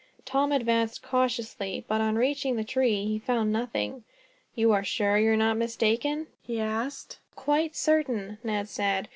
Tom advanced cautiously, but on reaching the tree he found nothing. "You are sure you were not mistaken?" he asked. "Quite certain," Ned said.